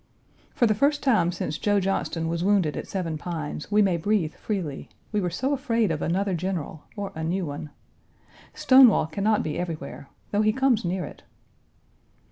For the first time since Joe Johnston was wounded at Seven Pines, we may breathe freely; we were so afraid of another general, or a new one. Stonewall can not be everywhere, though he comes near it.